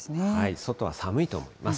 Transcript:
外は寒いと思います。